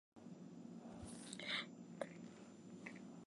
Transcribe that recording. Pertenece a la Comarca de Terra de Caldelas.